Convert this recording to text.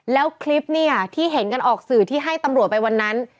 แล้วคลิปเนี่ยที่เห็นกันออกสื่อที่ให้ตำรวจไปวันนั้น